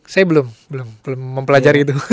saya belum belum mempelajari itu